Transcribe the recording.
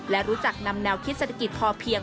และรู้จักนำแนวคิดเศรษฐกิจพอเพียง